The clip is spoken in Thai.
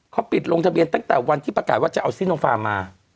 เขาปิดลงทะเบียนตั้งแต่วันที่ประกาศว่าจะเอาซิโนฟาร์มมา